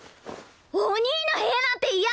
お兄の部屋なんて嫌！